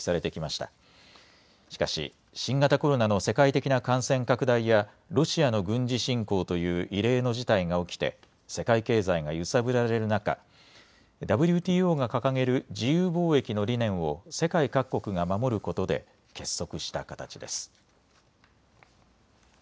しかし新型コロナの世界的な感染拡大やロシアの軍事侵攻という異例の事態が起きて世界経済が揺さぶられる中、ＷＴＯが掲げる自由貿易の理念を世界各国が守ることで結束した形です。